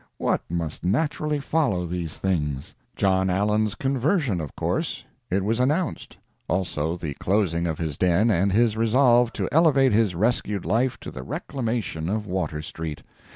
What must naturally follow these things? John Allen's conversion, of course. It was announced. Also the closing of his den and his resolve to elevate his rescued life to the reclamation of Water street.